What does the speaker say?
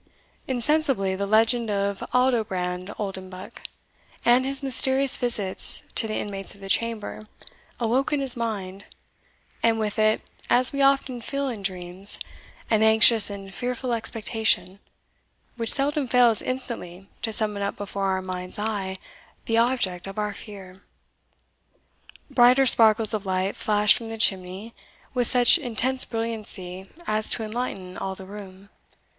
Insensibly the legend of Aldobrand Oldenbuck, and his mysterious visits to the inmates of the chamber, awoke in his mind, and with it, as we often feel in dreams, an anxious and fearful expectation, which seldom fails instantly to summon up before our mind's eye the object of our fear. Brighter sparkles of light flashed from the chimney, with such intense brilliancy as to enlighten all the room.